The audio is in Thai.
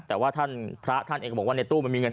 แต่ว่าท่านพระท่านเองก็บอกว่าในตู้มันมีเงิน